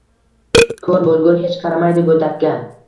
Ko'r bo'lgur, hech qaramaydi go'dakka.